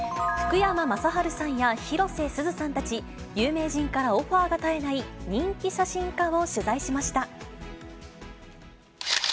福山雅治さんや広瀬すずさんたち、有名人からオファーが絶えない人気写真家を取材しました。